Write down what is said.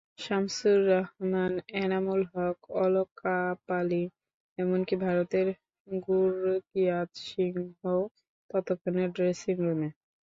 শামসুর রহমান, এনামুল হক, অলক কাপালি, এমনকি ভারতের গুরকিরাত সিংও ততক্ষণে ড্রেসিংরুমে।